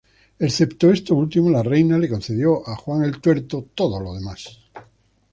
Excepto esto último, la reina le concedió a Juan el Tuerto todo lo demás.